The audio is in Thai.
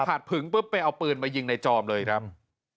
ผึงปุ๊บไปเอาปืนมายิงในจอมเลยครับ